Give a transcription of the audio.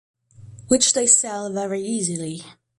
Which they sell very easily.